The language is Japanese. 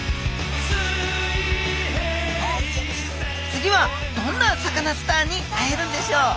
次はどんなサカナスターに会えるんでしょう？